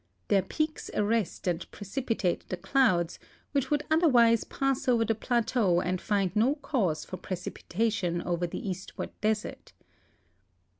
Their peaks arrest and precipitate the clouds, which would otherwise pass over the jdateau and find no cause for precipitation over the eastward desert.